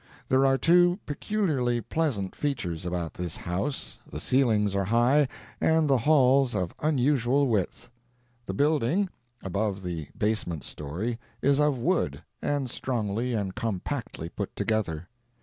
There are two peculiarly pleasant features about this house the ceilings are high, and the halls of unusual width. The building—above the basement story—is of wood, and strongly and compactly put together.